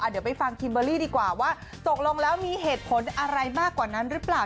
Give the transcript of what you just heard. เดี๋ยวไปฟังคิมเบอร์รี่ดีกว่าว่าตกลงแล้วมีเหตุผลอะไรมากกว่านั้นหรือเปล่า